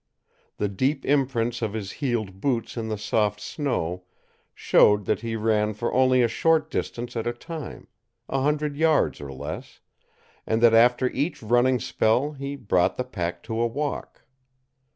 The deep imprints of his heeled boots in the soft snow showed that he ran for only a short distance at a time a hundred yards or less and that after each running spell he brought the pack to a walk.